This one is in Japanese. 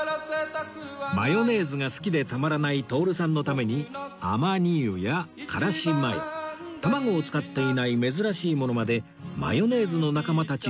マヨネーズが好きでたまらない徹さんのためにアマニ油やからしマヨ卵を使っていない珍しいものまでマヨネーズの仲間たち